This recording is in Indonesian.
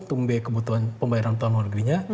untuk membayar kebutuhan pembayaran utama luar negerinya